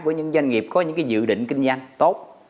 của những doanh nghiệp có những cái dự định kinh doanh tốt